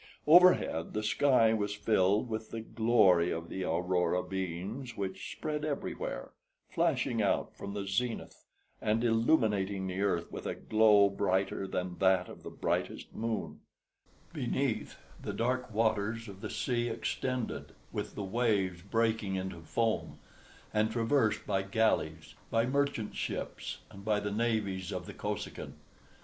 Overhead the sky was filled with the glory of the aurora beams, which spread everywhere, flashing out from the zenith and illuminating the earth with a glow brighter than that of the brightest moon; beneath, the dark waters of the sea extended, with the waves breaking into foam, and traversed by galleys, by merchant ships, and by the navies of the Kosekin.